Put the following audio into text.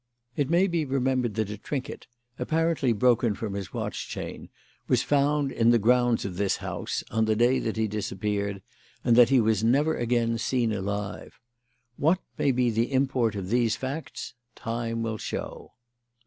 It may be remembered that a trinket, apparently broken from his watch chain, was found in the grounds of this house on the day that he disappeared, and that he was never again seen alive. What may be the import of these facts time will show."